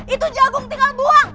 itu jagung tinggal buang